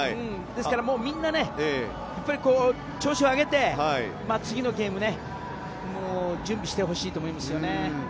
ですから、みんなやっぱり、調子を上げて次のゲームね準備してほしいと思います。